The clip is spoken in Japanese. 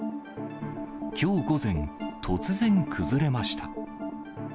きょう午前、突然崩れました。